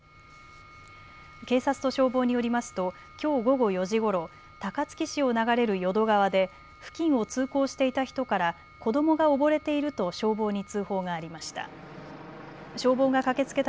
警察と消防によりますときょう午後４時ごろ、高槻市を流れる淀川で付近を通行していた人から子どもが溺れていると消防に通報がありました。